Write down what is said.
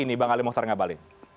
ini bang ali muhtaranggabal